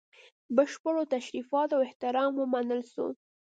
بشپړو تشریفاتو او احترام ومنل سو.